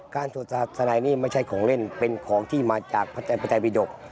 การสวดศาสนานี่ไม่ใช่ของเล่นเป็นของที่มาจากพระเจ้าพระเจ้าพิดกฤษ